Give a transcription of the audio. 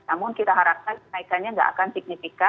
namun kita harapkan kenaikannya nggak akan signifikan